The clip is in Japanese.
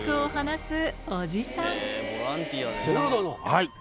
はい。